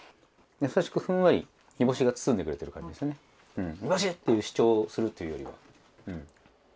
優しく煮干し！っていう主張するというよりは。